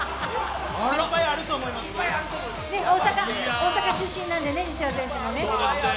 大阪出身なので西矢選手も。